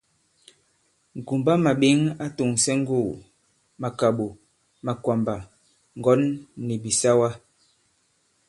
Ŋ̀kumbamàɓěŋ a tòŋsɛ ŋgugù, màkàɓò, makwàmbà, ŋgɔ̌n nì bìsawa.